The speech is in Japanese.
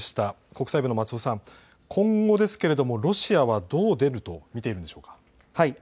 国際部の松尾さん、今後ですけれどもロシアはどう出ると見ているんでしょうか。